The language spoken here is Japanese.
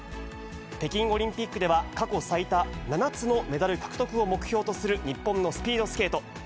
北京オリンピックでは、過去最多７つのメダル獲得を目標とする日本のスピードスケート。